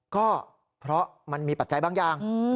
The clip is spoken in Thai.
ก็เพราะมันมีปัจจัยบางอย่าง